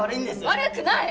悪くない！